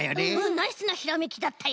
ナイスなひらめきだったよ！